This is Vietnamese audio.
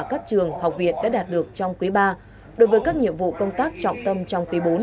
các trường học viện đã đạt được trong quý ba đối với các nhiệm vụ công tác trọng tâm trong quý bốn